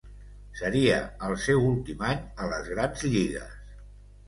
Seria el seu últim any a les grans lligues.